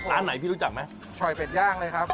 ร้านไหนพี่รู้จักไหมชอยเป็ดย่างเลยครับ